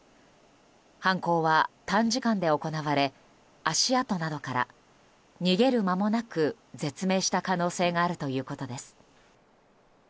犯行は短時間で行われ足跡などから逃げる間もなく絶命した可能性があるということです。